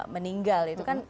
meninggal itu kan hal hal